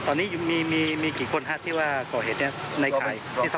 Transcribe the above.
ตอนนี้มีมีกี่คนฮะที่ว่ากลวงเหตุนี้ในคลาย